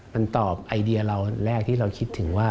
มันตอบไอเดียเราแรกที่เราคิดถึงว่า